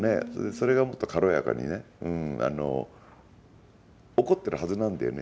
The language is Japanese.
それがもっと軽やかにね起こってるはずなんだよね。